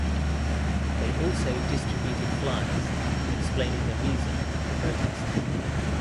They also distributed fliers explaining the reason of the protest.